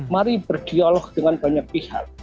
mari berdialog dengan banyak pihak